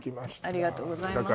ありがとうございます